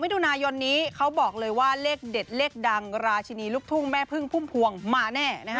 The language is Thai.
มิถุนายนนี้เขาบอกเลยว่าเลขเด็ดเลขดังราชินีลูกทุ่งแม่พึ่งพุ่มพวงมาแน่